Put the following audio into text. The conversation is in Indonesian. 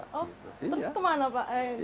terus kemana pak pakai apa pak